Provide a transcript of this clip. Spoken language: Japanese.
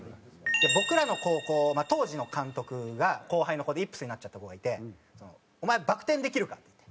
僕らの高校まあ当時の監督が後輩の子でイップスになっちゃった子がいて「お前バク転できるか？」って言って。